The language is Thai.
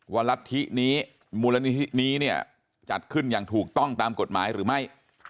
ว่ารัฐธินี้มูลนี้จัดขึ้นอย่างถูกต้องตามกฎหมายหรือไม่